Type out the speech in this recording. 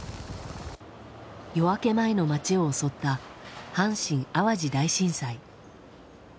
夜明け前の街を襲った阪神・淡路大震災。